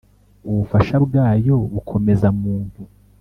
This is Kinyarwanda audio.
ubufasha bwayo bukomeza muntu